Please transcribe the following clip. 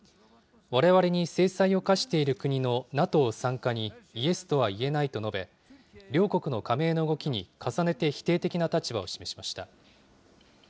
われわれに制裁を科している国のＮＡＴＯ参加にイエスとは言えないと述べ、両国の加盟の動きに重ねて否定的な立場を示しました。